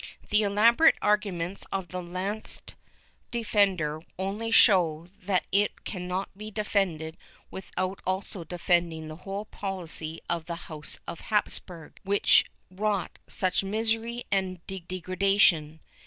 The elaborate arguments of its latest defender only show that it cannot be defended without also defending the whole policy of the House of Hapsburg, which wrought such misery and degra dation.